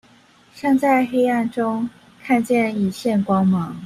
像在黑暗中看見一線光芒